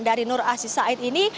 dari nur asi said ini